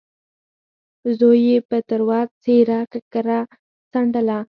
زوی يې په تروه څېره ککره څنډله.